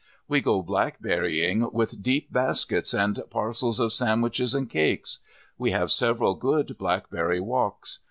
We go blackberrying with deep baskets, and parcels of sandwiches and cakes. We have several good blackberry walks.